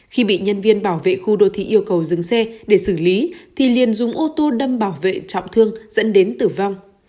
khi bị nhân viên bảo vệ khu đô thị yêu cầu dừng xe để xử lý thì liền dùng ô tô đâm bảo vệ trọng thương dẫn đến tử vong